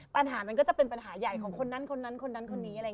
ปัญหามันก็จะเป็นปัญหาใหญ่ของคนนั้นคนนั้นคนนั้นคนนี้